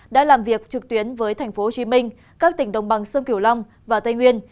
đã làm việc trực tuyến với tp hcm các tỉnh đồng bằng sông kiểu long và tây nguyên